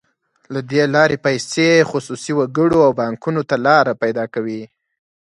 له دې لارې پیسې خصوصي وګړو او بانکونو ته لار پیدا کوي.